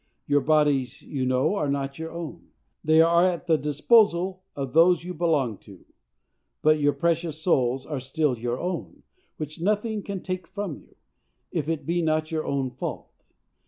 Your bodies, you know, are not your own; they are at the disposal of those you belong to; but your precious souls are still your own, which nothing can take from you, if it be not your own fault.